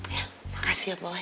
ya makasih ya boy